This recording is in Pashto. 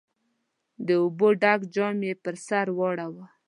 د اوبو ډک جام يې پر سر واړاوه.